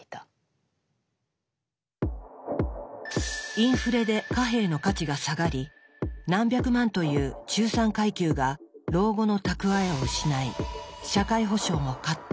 インフレで貨幣の価値が下がり何百万という中産階級が老後の蓄えを失い社会保障もカット。